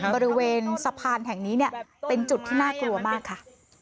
บริเวณสะพานแห่งนี้เป็นจุดที่น่ากลัวมากค่ะ